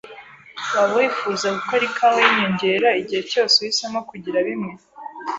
Waba wifuza gukora ikawa yinyongera igihe cyose uhisemo kugira bimwe?